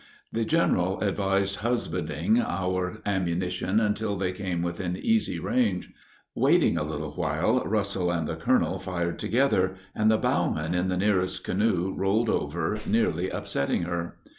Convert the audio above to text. The general advised husbanding our ammunition until they came within easy range. Waiting a little while, Russell and the colonel fired together, and the bowman in the nearest canoe rolled over, nearly upsetting her.